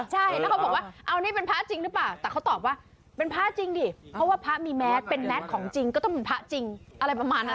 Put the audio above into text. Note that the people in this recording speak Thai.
ใช่แล้วเขาบอกว่าเอานี่เป็นพระจริงหรือเปล่า